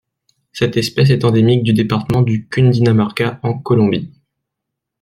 Cette espèce est endémique du département du Cundinamarca en Colombie.